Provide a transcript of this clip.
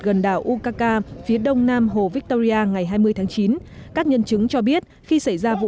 gần đảo ukaka phía đông nam hồ victoria ngày hai mươi tháng chín các nhân chứng cho biết khi xảy ra vụ